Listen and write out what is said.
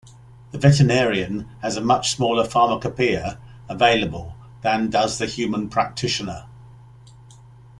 The veterinarian has a much smaller pharmacopeia available than does the human practitioner.